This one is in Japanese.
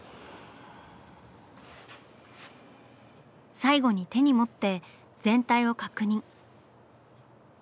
最後に手に持って全体を確認。